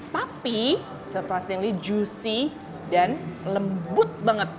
tapi surprisingly juicy dan lembut banget